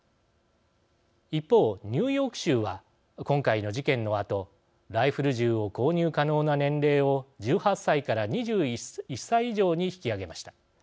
一方、ニューヨーク州は今回の事件のあとライフル銃を購入可能な年齢を１８歳から２１歳以上に引き上げました。